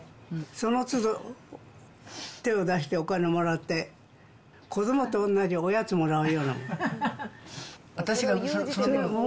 そのつど、手を出して、お金をもらって、子どもと同じ、おやつもらうようなもん。